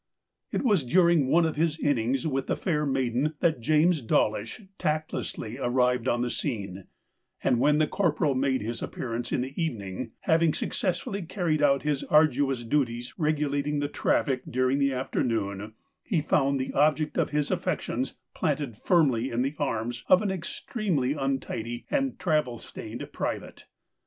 It was during one of his innings with the fair maiden that James Dawlish tactlessly arrived on the scene ; and when the Corporal made his appearance in the evening, having successfully carried out his arduous duties regulating the traffic during the afternoon he found the object of his affections planted firmly in the arms of an extremely untidy and travel stained private.